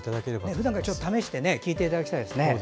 ふだんから試して聞いていただきたいですね。